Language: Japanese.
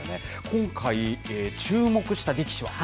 今回、注目した力士は。